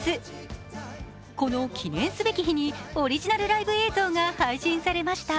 この記念すべき日にオリジナルライブ映像が配信されました。